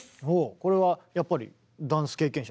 これはやっぱりダンス経験者ですか？